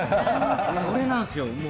それなんですよ。